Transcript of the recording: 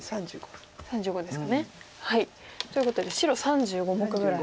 ３５ですかね。ということで白３５目ぐらい。